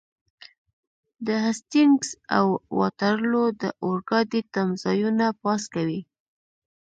د هسټینګز او واټرلو د اورګاډي تمځایونه پاس کوئ.